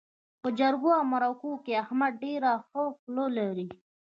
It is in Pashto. په جرګو او مرکو کې احمد ډېره ښه خوله لري.